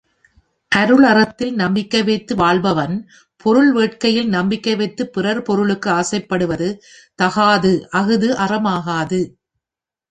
அருளறத்தில் நம்பிக்கை வைத்து வாழ்பவன் பொருள் வேட்கையில் நம்பிக்கை வைத்துப் பிறர் பொருளுக்கு ஆசைப்படுவது தகாது அஃது அறமாகாது.